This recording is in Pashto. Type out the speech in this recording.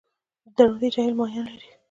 د درونټې جهیل ماهیان لري؟